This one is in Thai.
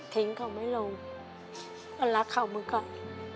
ทิ้งเขาไม่ลงมันรักเขาเหมือนกัน